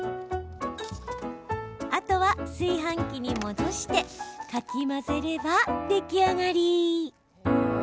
あとは、炊飯器に戻してかき混ぜれば出来上がり！